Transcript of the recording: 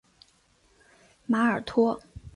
马尔托。